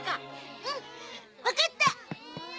うんわかった。